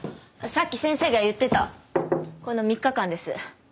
さっき先生が言ってたこの３日間です。